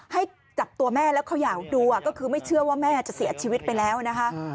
ให้จับตัวแม่แล้วเขย่าดูก็คือไม่เชื่อว่าแม่จะเสียชีวิตไปแล้วนะคะ